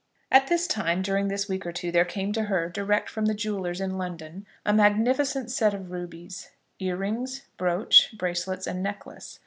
At this time, during this week or two, there came to her direct from the jewellers in London, a magnificent set of rubies, ear rings, brooch, bracelets, and necklace.